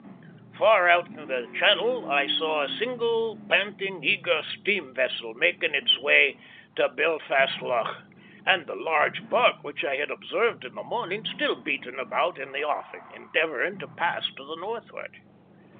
Far out in the Channel I saw a single panting, eager steam vessel making its way to Belfast Lough, and the large barque which I had observed in the morning still beating about in the offing, endeavouring to pass to the northward.